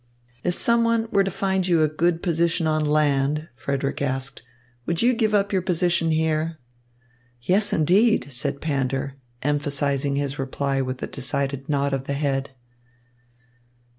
"If someone were to find you a good position on land," Frederick asked, "would you give up your position here?" "Yes, indeed," said Pander, emphasising his reply with a decided nod of his head.